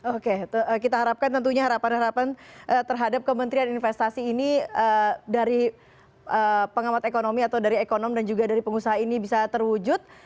oke kita harapkan tentunya harapan harapan terhadap kementerian investasi ini dari pengamat ekonomi atau dari ekonom dan juga dari pengusaha ini bisa terwujud